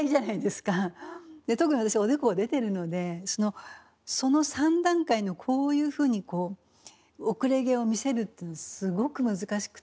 で特に私おでこが出てるのでその３段階のこういうふうにこう後れ毛を見せるってすごく難しくて。